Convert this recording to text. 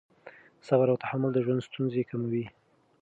صبر او تحمل د ژوند ستونزې کموي.